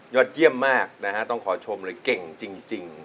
เยี่ยมมากนะฮะต้องขอชมเลยเก่งจริง